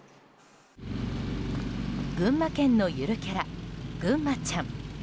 群馬県のゆるキャラぐんまちゃん。